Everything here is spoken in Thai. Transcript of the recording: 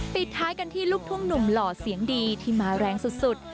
ปิดท้ายกันที่ลูกทุ่งหนุ่มหล่อเสียงดีที่มาแรงสุด